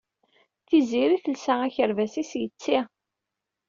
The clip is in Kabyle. Tiziri telsa akerbas-is yetti.